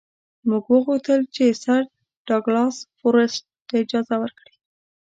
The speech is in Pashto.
موږ وغوښتل چې سر ډاګلاس فورسیت ته اجازه ورکړي.